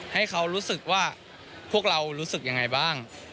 ให้เขารู้สึกว่าพวกเรารู้สึกยังไงบ้าง